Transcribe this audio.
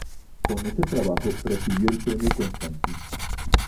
Con este trabajo recibió el Premio Constantin.